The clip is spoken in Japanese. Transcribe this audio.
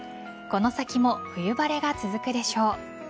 この先も冬晴れが続くでしょう。